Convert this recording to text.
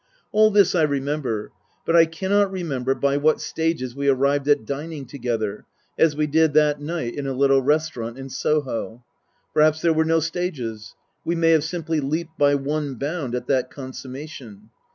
All this I remember. But I cannot remember by what stages we arrived at dining together, as we did that night in a little restaurant in Soho. Perhaps there were no stages ; we may have simply leaped by one bound at that consummation.